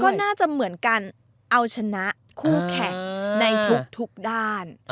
ก็น่าจะเหมือนกันเอาชนะคู่แข่งในทุกด้าน